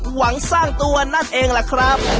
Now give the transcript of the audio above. หวังสร้างตัวนั่นเองล่ะครับ